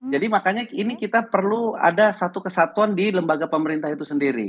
jadi makanya ini kita perlu ada satu kesatuan di lembaga pemerintah itu sendiri